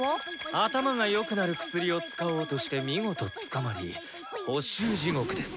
頭がよくなる薬を使おうとして見事捕まり補習地獄です。